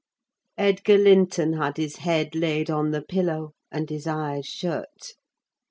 Edgar Linton had his head laid on the pillow, and his eyes shut.